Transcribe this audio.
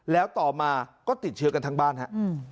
แล้วต่อมาก็ติดเชื้อกันทั้งบ้านครับ